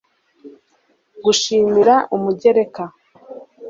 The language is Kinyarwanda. gushimira umugereka